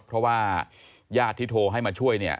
เพราะว่าญาติที่โทรให้มาช่วยเนี่ย